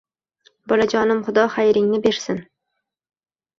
Bolajonim, Xudo xayringni bersin